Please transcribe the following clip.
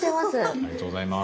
ありがとうございます。